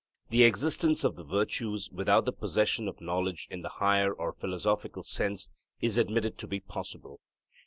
The existence of the virtues without the possession of knowledge in the higher or philosophical sense is admitted to be possible.